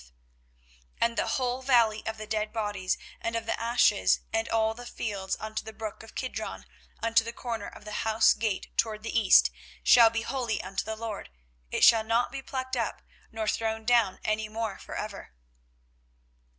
24:031:040 And the whole valley of the dead bodies, and of the ashes, and all the fields unto the brook of Kidron, unto the corner of the horse gate toward the east, shall be holy unto the LORD; it shall not be plucked up, nor thrown down any more for ever.